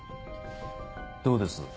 どうです？